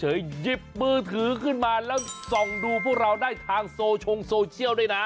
หยิบมือถือขึ้นมาแล้วส่องดูพวกเราได้ทางโซเชียลด้วยนะ